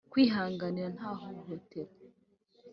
kwihanganirana nta hohotera